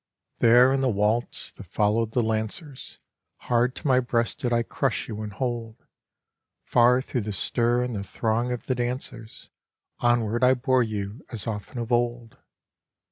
There in the waltz, that followed the lancers, Hard to my breast did I crush you and hold; Far through the stir and the throng of the dancers Onward I bore you as often of old.